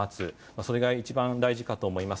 それが一番大事かと思います。